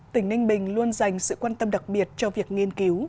tỉnh ninh bình luôn dành sự quan tâm đặc biệt cho việc nghiên cứu